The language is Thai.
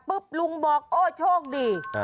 ปุ๊บลุงบอกโอ้ยโชคดี